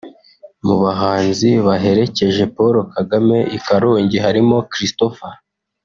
Mu bahanzi baherekeje Paul Kagame i Karongi harimo Christopher